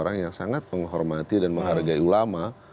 orang yang sangat menghormati dan menghargai ulama